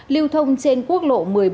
lưu thông trên quốc lộ một mươi bốn